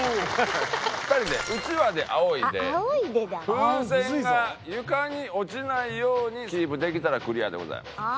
２人でうちわであおいで風船が床に落ちないようにキープできたらクリアでございます。